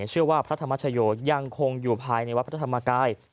พระธรรมชโยยังคงอยู่ภายในวัดพระธรรมกาย